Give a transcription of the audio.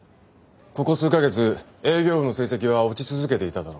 ここ数か月営業部の成績は落ち続けていただろう。